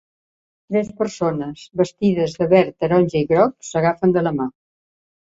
Tres persones, vestides de verd, taronja i groc, s'agafen de la mà.